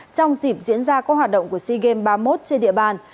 trong dịp diễn ra các hoạt động của sea games ba mươi một trên địa bàn